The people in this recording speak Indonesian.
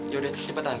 ya udah cepetan